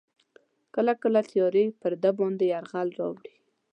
کله کله تیارې پر ده باندې یرغل راوړي.